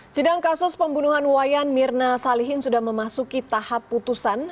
sidang kasus pembunuhan wayan mirna salihin sudah memasuki tahap putusan